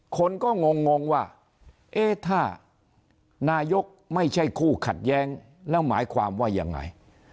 คนก็งงว่าเอ๊ะถ้านายกไม่ใช่คู่ขัดแย้งแล้วหมายความว่ายังไง